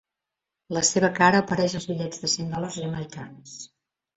La seva cara apareix als bitllets de cent dòlars jamaicans.